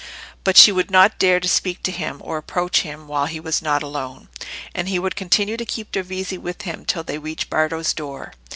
But she would not dare to speak to him or approach him while he was not alone, and he would continue to keep Dovizi with him till they reached Bardo's door.